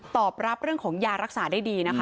ตอบรับเรื่องของยารักษาได้ดีนะคะ